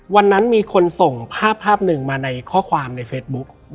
วันนั้นมีคนส่งภาพภาพหนึ่งมาในข้อความในเฟซบุ๊ก